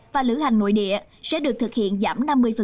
và lữ hành nội địa sẽ được thực hiện giảm năm mươi